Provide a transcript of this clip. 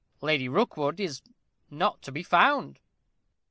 Lady Rookwood is not to be found."